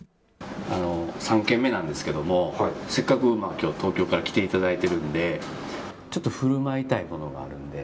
３軒目なんですけどもせっかく今日東京から来ていただいているのでちょっと振る舞いたいものがあるので。